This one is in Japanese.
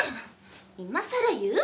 今さら言う？